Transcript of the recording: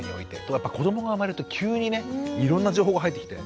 ところがこどもが生まれると急にねいろんな情報が入ってきて。